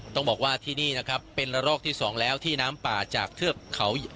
ต้องบอกว่าที่นี่นะครับเป็นระลอกที่สองแล้วที่น้ำป่าจากเทือกเขา